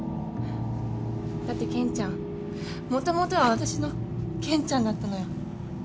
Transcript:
だって健ちゃんもともとは私の健ちゃんだったのよ。